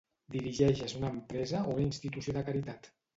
Dirigeixes una empresa o una institució de caritat?